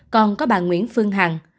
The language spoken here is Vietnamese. còn có bà nguyễn phương hằng